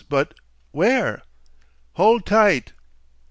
but where?" "Hold tight!"